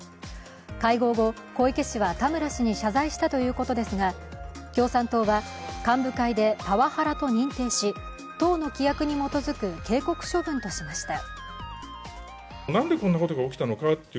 会合後、小池氏は田村氏に謝罪したということですが、共産党は幹部会でパワハラと認定し、党の規約に基づく警告処分としました。